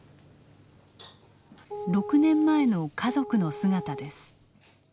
６年前の家族の姿です。